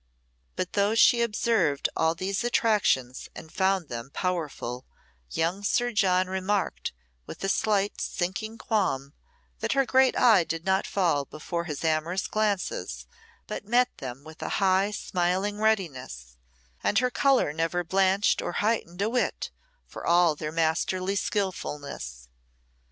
But though she observed all these attractions and found them powerful, young Sir John remarked, with a slight sinking qualm, that her great eye did not fall before his amorous glances, but met them with high smiling readiness, and her colour never blanched or heightened a whit for all their masterly skilfulness.